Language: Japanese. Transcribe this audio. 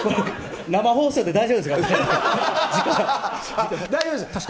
生放送で大丈夫ですか？